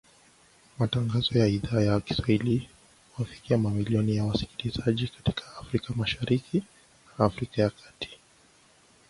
Matangazo ya Idhaa ya Kiswahili huwafikia mamilioni ya wasikilizaji katika Afrika Mashariki na Afrika ya Kati